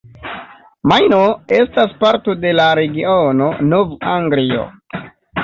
Majno estas parto de la regiono Nov-Anglio.